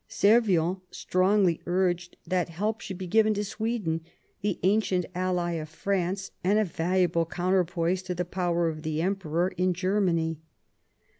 Servien strongly urged that help should be given to Sweden, the ancient ally of France, and a valuable counterpoise to the power of the Emperor in Germany.